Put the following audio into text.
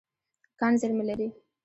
کان زیرمه لري.